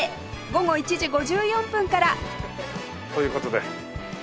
午後１時５４分からという事で。